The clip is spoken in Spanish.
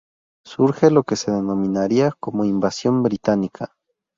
Surge lo que se denominaría como Invasión británica.